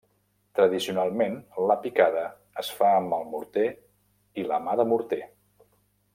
Tradicionalment la picada es fa amb el morter i la mà de morter.